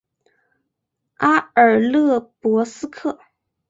阿尔勒博斯克。